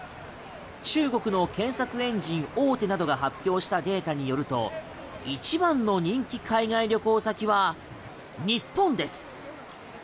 中国の検索エンジン大手などが発表したデータによると一番の人気海外旅行先は日本です。